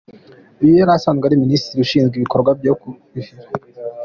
Uyu yari asanzwe ari Minisitiri ushinzwe ibikorwa byo kuhira.